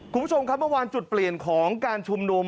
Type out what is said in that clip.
คุณผู้ชมครับเมื่อวานจุดเปลี่ยนของการชุมนุม